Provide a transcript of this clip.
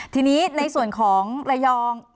ทีนี้ในส่วนของระยอง